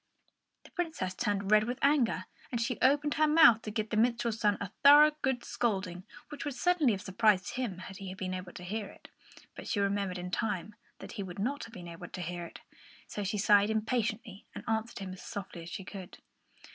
The Princess turned red with anger, and she opened her mouth to give the minstrel's son a thorough good scolding, which would certainly have surprised him had he been able to hear it. But she remembered in time that he would not be able to hear it, so she sighed impatiently and answered him as softly as she could.